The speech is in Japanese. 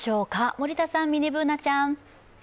森田さん、ミニＢｏｏｎａちゃん。